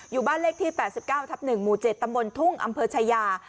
อยู่บ้านเลขที่๘๙ทับ๑หมู่๗ตำบลทุ่งอำเภอชายา